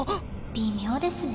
微妙ですね。